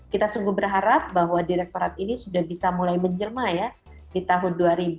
kita sungguh berharap bahwa direkturat ini sudah bisa mulai menjelma ya di tahun dua ribu dua